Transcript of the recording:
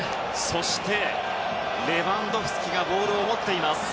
そして、レバンドフスキがボールを持っています。